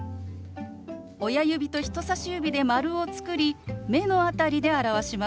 親指と人さし指で丸を作り目の辺りで表します。